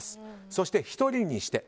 そして１人にして。